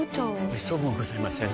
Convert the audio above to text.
めっそうもございません。